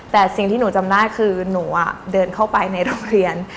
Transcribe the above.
แต่สิ่งที่หนูจำได้คือหนูเดินเข้าไปในโรงเรียน